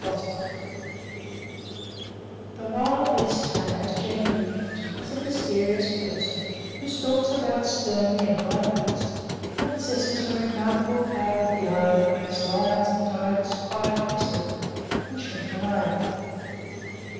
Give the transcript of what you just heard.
BOSTOCK THE wild beast tamer as generally pictured is a mysterious person who stalks about sternly in high boots and possesses a remarkable power of the eye that makes lions and tigers quail at his look and shrink away.